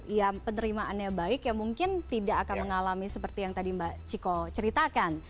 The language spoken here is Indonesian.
ya penerimaannya baik ya mungkin tidak akan mengalami seperti yang tadi mbak chiko ceritakan